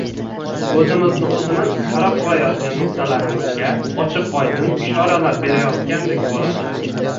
o‘zimizni o‘zimiz xarob qilayotgan nuqtalarimizga ochiq-oydin ishoralar berayotgandek bo‘ladi.